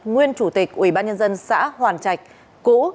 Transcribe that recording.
nguyên chủ tịch ubnd xã hoàn trạch cũ